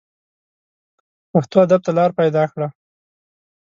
پښتو ادب ته لاره پیدا کړه